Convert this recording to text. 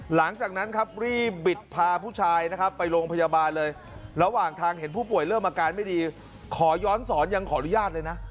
หลังจากนั้นครับรีบบิดพาผู้ชายนะครับไปโรงพยาบาลเลยระหว่างทางเห็นผู้ป่วยเริ่มอาการไม่ดีขอย้อนสอนยังขออนุญาตเลยนะ